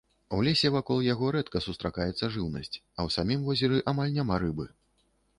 У лесе вакол яго рэдка сустракаецца жыўнасць, а ў самім возеры амаль няма рыбы.